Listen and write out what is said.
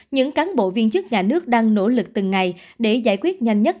những cán bộ viên chức nhà nước đang nỗ lực từng ngày để giải quyết nhanh nhất